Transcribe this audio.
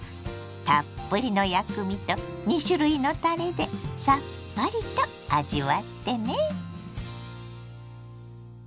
たっぷりの薬味と２種類のたれでさっぱりと味わってね。